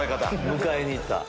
迎えにいった。